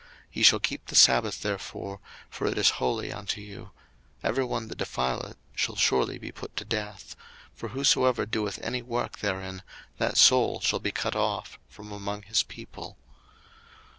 02:031:014 Ye shall keep the sabbath therefore; for it is holy unto you: every one that defileth it shall surely be put to death: for whosoever doeth any work therein, that soul shall be cut off from among his people.